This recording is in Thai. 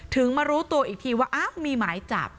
มารู้ตัวอีกทีว่าอ้าวมีหมายจับ